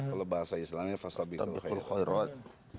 kalau bahasa islamnya fastabikul khairat